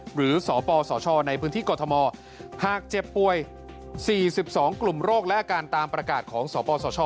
หรือสปสชในพื้นที่กรทมหากเจ็บป่วย๔๒กลุ่มโรคและอาการตามประกาศของสปสช